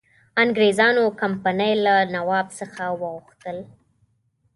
انګرېزانو کمپنی له نواب څخه وغوښتل.